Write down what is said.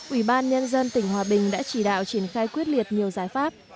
ủy ban nhân dân tỉnh hòa bình đã chỉ đạo triển khai quyết liệt nhiều giải pháp